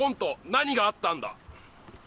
「何があったんだ」